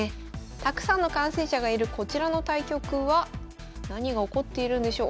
たくさんの観戦者がいるこちらの対局は何が起こっているんでしょう？